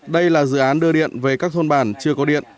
đây là dự án đưa điện về các thôn bản chưa có điện